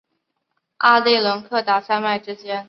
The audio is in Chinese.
阿第伦达克山脉之间。